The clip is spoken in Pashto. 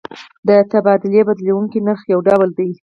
د تبادلې بدلیدونکی نرخ یو ډول دی.